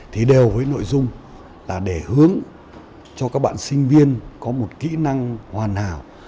thì đều với nội dung là để hướng cho các bạn sinh viên có một kỹ năng hoàn hảo